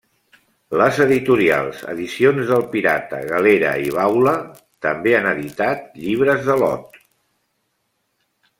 Les editorials Edicions del Pirata, Galera i Baula també han editat llibres de l'Ot.